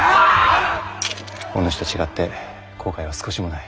お主と違って後悔は少しもない。